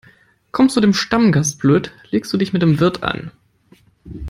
Kommst du dem Stammgast blöd, legst du dich mit dem Wirt an.